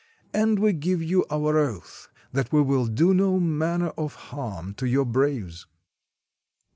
And we give you our oath that we will do no manner of harm to your braves."